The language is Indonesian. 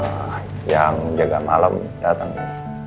wah yang jaga malam datang nih